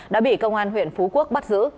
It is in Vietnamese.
đã bị công an huyện phú quốc bắt giữ